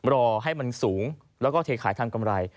รอให้มันสูงแล้วก็เทขายทางกำไร